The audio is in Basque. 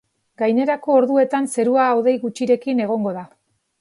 Gainerako orduetan, zerua hodei gutxirekin egongo da.